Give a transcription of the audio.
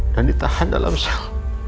dan ditahan dalam sel